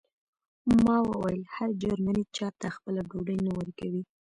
ما وویل هر جرمنی چاته خپله ډوډۍ نه ورکوي